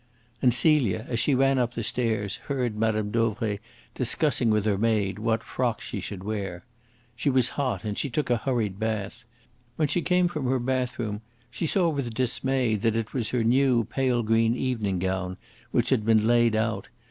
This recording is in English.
And Celia, as she ran up the stairs, heard Mme. Dauvray discussing with her maid what frock she should wear. She was hot, and she took a hurried bath. When she came from her bathroom she saw with dismay that it was her new pale green evening gown which had been laid out.